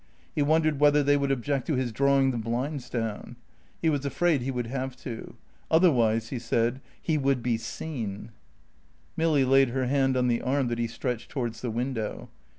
He wondered whether they would object to his drawing the blinds down. He was afraid he would have to. Otherwise, he said, he would be seen. Milly laid her hand on the arm that he stretched towards the window.